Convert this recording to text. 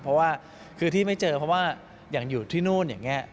เพราะว่าคือที่ไม่เจอเพราะว่าอย่างอยู่ที่นู่นอย่างนี้